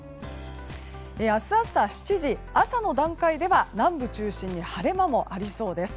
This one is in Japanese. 明日朝７時、朝の段階では南部中心に晴れ間もありそうです。